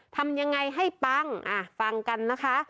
ทำยังไงให้ปังฟังกันนะคะ